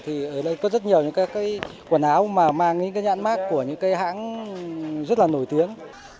thì ở đây có rất nhiều những cái quần áo mà mang những cái nhãn mát của những cái hãng rất là nổi tiếng